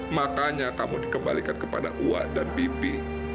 makanya kamu dikembalikan kepada wan dan bibi